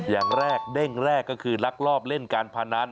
อย่างแรกเด้งแรกก็คือลักลอบเล่นการพนัน